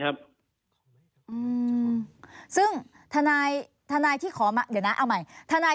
อืมซึ่งทนายทนายที่ขอมาเดี๋ยวนะเอาใหม่ทนาย